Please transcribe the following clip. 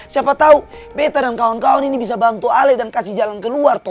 siapa tau betta dan kawan kawan ini bisa bantu aleh dan kasih jalan ke luar tol